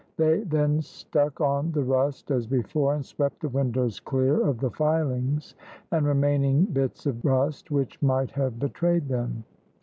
They then stuck on the rust as before, and swept the windows clear of the filings and remaining bits of rust, which might have betrayed them.